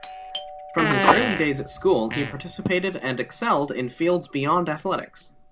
From his early days at school he participated and excelled in fields beyond athletics.